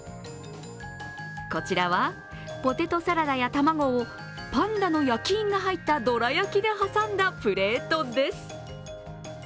こちらはポテトサラダや卵をパンダの焼き印が入ったどら焼きで挟んだプレートです。